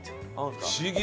不思議！